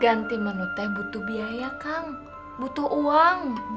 ganti menu teh butuh biaya kang butuh uang